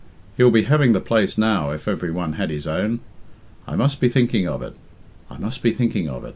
He'd be having the place now if every one had his own. I must be thinking of it I must be thinking of it." III.